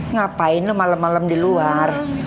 ngapain lu malem malem di luar